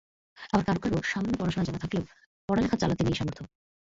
আবার কারও কারও সামান্য পড়াশোনা জানা থাকলেও পড়ালেখা চালাতে নেই সামর্থ্য।